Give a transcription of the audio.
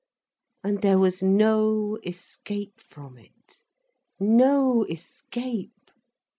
And there was no escape from it, no escape.